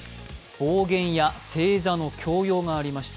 暴言や正座の強要がありました。